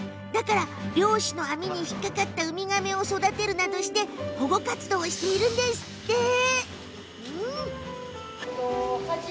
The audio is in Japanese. だから漁師の網に引っ掛かったウミガメを育てるなどして保護活動をしているんですって。